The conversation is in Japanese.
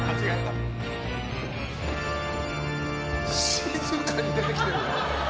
静かに出てきてる。